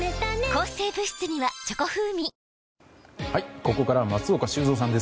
ここからは松岡修造さんです。